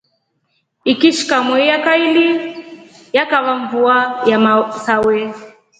Ikishilka mwei ya kaili yakava mvua ya masawe.